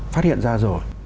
phát hiện ra rồi